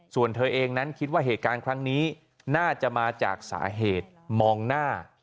ส่วนเธอเองนั้นคิดว่าเหตุการณ์ครั้งนี้น่าจะมาจากสาเหตุมองหน้า